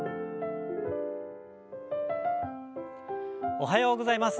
おはようございます。